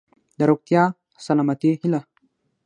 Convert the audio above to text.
د روغتیا ،سلامتۍ هيله .💡